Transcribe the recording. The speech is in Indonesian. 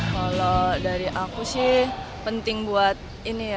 kalau dari aku sih penting buat ini ya